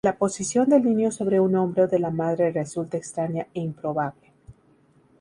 La posición del niño sobre un hombro de la madre resulta extraña e improbable.